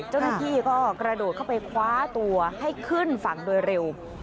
เจ้าหน้าที่ก็กระโดดเข้าไปคว้าตัวให้ขึ้นฝั่งโดยเร็ว